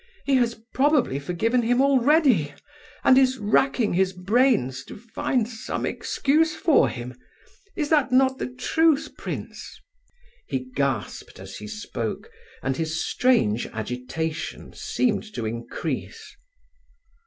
He has probably forgiven him already, and is racking his brains to find some excuse for him—is not that the truth, prince?" He gasped as he spoke, and his strange agitation seemed to increase.